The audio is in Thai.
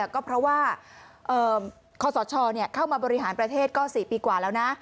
ก็เพราะว่าคศเข้ามาบริหารประเทศก็๔ปีกว่าแล้วนะ